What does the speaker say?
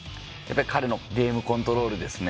彼のゲームコントロールですね。